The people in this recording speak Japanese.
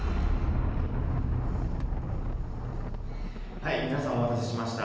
はい皆さんお待たせしました。